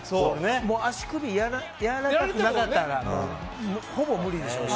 足首やわらかくなかったらほぼ無理でしょうし。